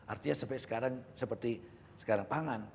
artinya seperti sekarang pangan